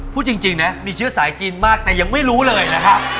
พูดจริงนะมีเชื้อสายจีนมากแต่ยังไม่รู้เลยนะครับ